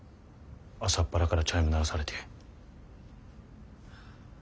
朝っぱらからチャイム鳴らされて。